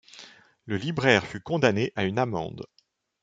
Le libraire fut condamné a une amende.